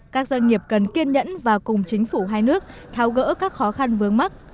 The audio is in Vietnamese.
các doanh nghiệp cần kiên nhẫn và cùng chính phủ hai nước tháo gỡ các khó khăn vướng mắt